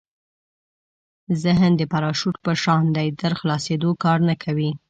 ذهن د پراشوټ په شان دی تر خلاصېدو کار نه کوي.